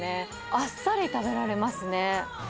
あっさり食べられますね。